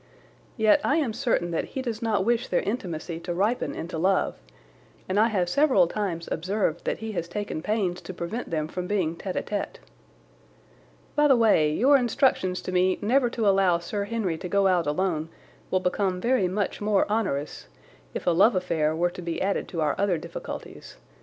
Yet I am certain that he does not wish their intimacy to ripen into love, and I have several times observed that he has taken pains to prevent them from being tête à tête. By the way, your instructions to me never to allow Sir Henry to go out alone will become very much more onerous if a love affair were to be added to our other difficulties.